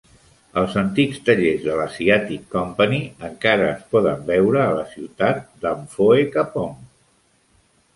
Els antics tallers de la Asiatic Company encara es poden veure a la ciutat d'Amphoe Kapong.